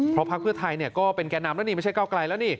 เพราะพักเพื่อไทยก็เป็นแก่นำแล้วนี่ไม่ใช่เก้าไกลแล้วนี่